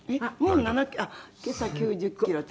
あっ今朝９０キロ。